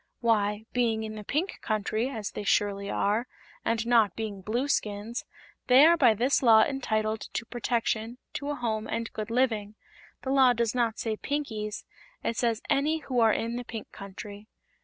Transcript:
"Why, being in the Pink Country, as they surely are, and not being Blueskins, they are by this Law entitled to protection, to a home and good living. The Law does not say 'Pinkies,' it says any who are in the Pink Country."